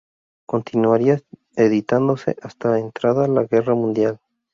Continuaría editándose hasta entrada la Guerra mundial.